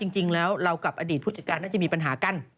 จริงแล้วเรากับอดีตผู้จัดการน่าจะมีปัญหากัน